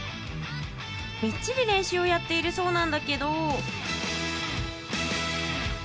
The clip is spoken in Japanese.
みっちり練習をやっているそうなんだけど。